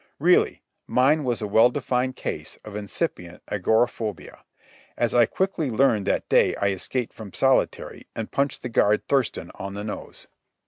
Really, mime was a well defined case of incipient agoraphobia, as I quickly learned that day I escaped from solitary and punched the guard Thurston on the nose.